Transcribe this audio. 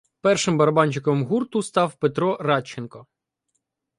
Першим барабанщиком гурту став Петро Радченко.